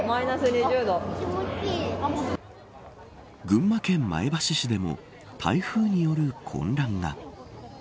群馬県前橋市でも台風による混乱が。